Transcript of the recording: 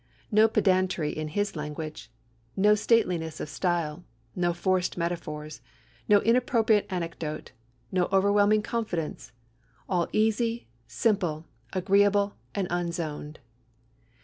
No pedantry in his language, no stateliness of style, no forced metaphors, no inappropriate anecdote, no overweening confidence all easy, simple, agreeable, and unzoned."